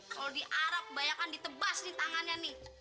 kalo di arab bayakan ditebas nih tangannya nih